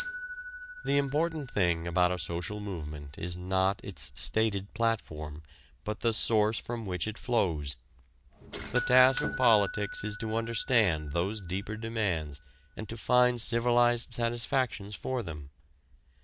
The important thing about a social movement is not its stated platform but the source from which it flows. The task of politics is to understand those deeper demands and to find civilized satisfactions for them.